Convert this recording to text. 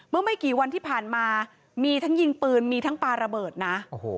ไม่กี่วันที่ผ่านมามีทั้งยิงปืนมีทั้งปลาระเบิดนะ